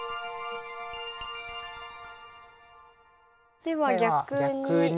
では逆に。